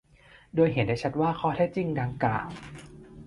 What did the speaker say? ด้วยเห็นได้ชัดว่าข้อเท็จจริงดังกล่าว